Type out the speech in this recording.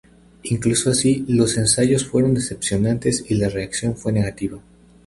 Incluso así, los ensayos fueron decepcionantes y la reacción fue negativa.